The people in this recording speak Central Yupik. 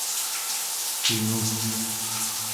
kingu